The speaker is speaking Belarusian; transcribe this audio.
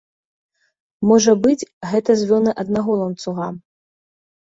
Можа быць, гэта звёны аднаго ланцуга.